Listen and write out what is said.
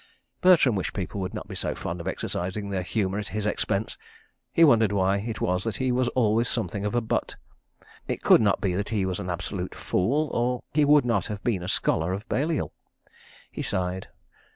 Bertram wished people would not be so fond of exercising their humour at his expense. He wondered why it was that he was always something of a butt. It could not be that he was an absolute fool, or he would not have been a Scholar of Balliol. He sighed.